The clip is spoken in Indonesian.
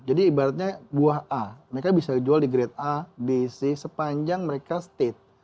jadi ibaratnya buah a mereka bisa dijual di grade a b c sepanjang mereka state